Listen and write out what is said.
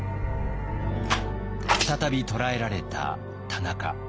再び捕らえられた田中。